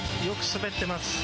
よく滑ってます。